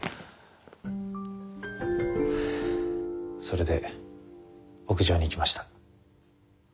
それで屋上に行きました。